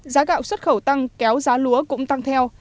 giá gạo xuất khẩu tăng kéo giá lúa cũng tăng theo